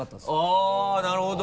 あっなるほど。